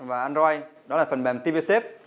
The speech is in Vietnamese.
và android đó là phần mềm tvsafe